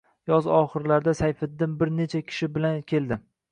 Yoz oxirlarida Sayfiddin bir necha kishi bilan keldi